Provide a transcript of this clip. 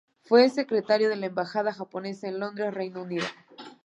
Fue secretario de la embajada japonesa en Londres, Reino Unido.